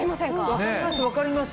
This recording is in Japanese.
分かります分かります。